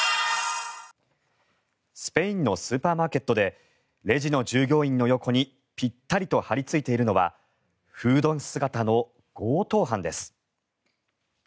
スペインのスーパーマーケットでレジの従業員の横にぴったりと張りついているのはフード姿の強盗犯です。